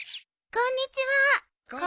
こんにちは。